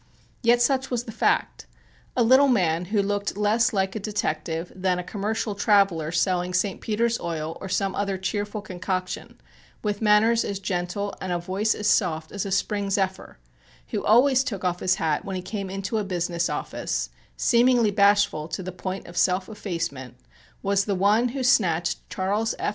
Yet such was the fact. A little man who looked less like a detective than a commercial traveller selling St. Peter's Oil or some other cheerful concoction, with manners as gentle and a voice as soft as a spring zephyr, who always took off his hat when he came into a business office, seemingly bashful to the point of self effacement, was the one who snatched Charles F.